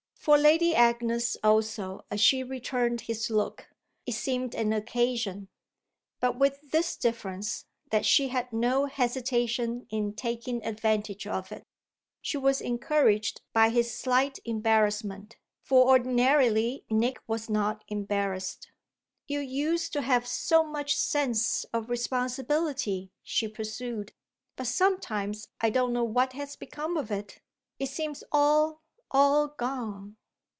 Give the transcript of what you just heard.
For Lady Agnes also, as she returned his look, it seemed an occasion; but with this difference that she had no hesitation in taking advantage of it. She was encouraged by his slight embarrassment, for ordinarily Nick was not embarrassed. "You used to have so much sense of responsibility," she pursued; "but sometimes I don't know what has become of it it seems all, all gone!"